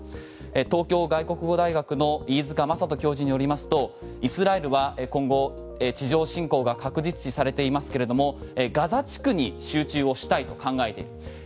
東京外国語大学の飯塚正人教授によりますとイスラエルは今後地上侵攻が確実視されていますがガザ地区に集中をしたいと考えている。